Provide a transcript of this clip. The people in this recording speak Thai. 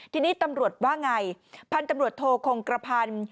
ทีนี้ตำรวจว่าไงพันธุ์ตำรวจโทคงกระพันธ์